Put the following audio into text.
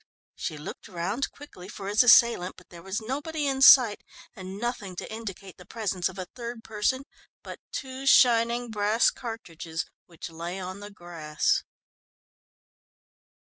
She looked round quickly for his assailant, but there was nobody in sight, and nothing to indicate the presence of a third person but two shining brass cartridges which lay on the grass.